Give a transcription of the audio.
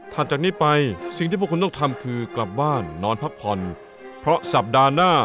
จากนี้ไปสิ่งที่พวกคุณต้องทำคือกลับบ้านนอนพักผ่อนเพราะสัปดาห์หน้า